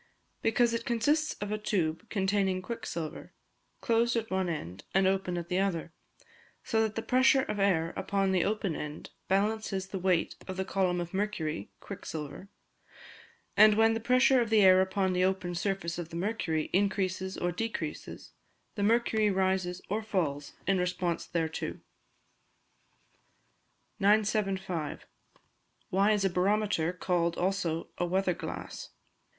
_ Because it consists of a tube containing quicksilver, closed at one end and open at the other, so that the pressure of air upon the open end balances the weight of the column of mercury (quicksilver); and when the pressure of the air upon the open surface of the mercury increases or decreases, the mercury rises or falls in response thereto. 975. _Why is a Barometer called also a "Weather Glass"?